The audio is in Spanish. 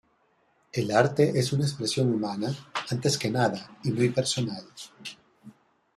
El arte es una expresión humana, antes que nada, y muy personal.